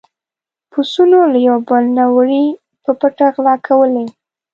پسونو له يو بل نه وړۍ په پټه غلا کولې.